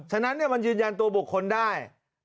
ฉะนั้นมันยืนยันตัวบุคคลได้